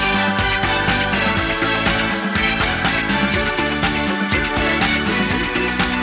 เอาล่ะเพื่อนใจไว้หน่อยมันจะหัวก้อยตรงใส่กัน